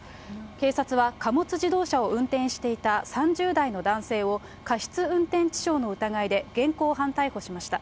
警察は貨物自動車を運転していた３０代の男性を、過失運転致傷の疑いで現行犯逮捕しました。